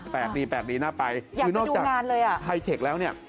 แปลกดีแปลกดีน่าไปคือนอกจากไฮเทคแล้วเนี่ย